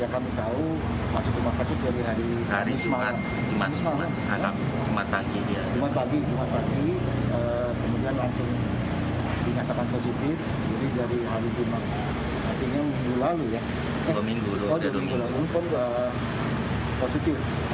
kedudukan baru agak menurun ke di hari jumat